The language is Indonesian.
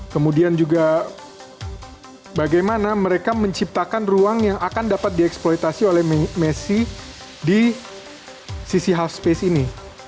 kemudian juga bagaimana mereka menciptakan ruang yang akan dapat dieksploitasi oleh messi di sisi half space ini